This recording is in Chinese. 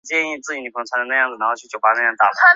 努斯拉还在几部巴基斯坦电影中表演并为电影作曲。